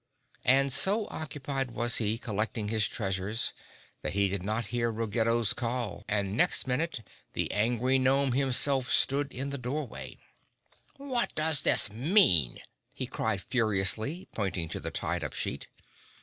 And so occupied was he collecting his treasures that he did not hear Ruggedo's call and next minute the angry gnome himself stood in the doorway. "What does this mean?" he cried furiously, pointing to the tied up sheet.